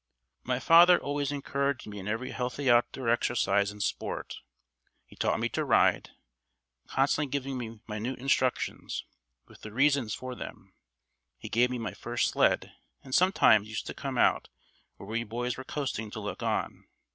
My father always encouraged me in every healthy outdoor exercise and sport. He taught me to ride, constantly giving me minute instructions, with the reasons for them. He gave me my first sled, and sometimes used to come out where we boys were coasting to look on.